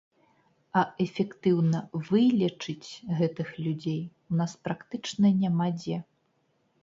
А эфектыўна вылечыць гэтых людзей у нас практычна няма дзе.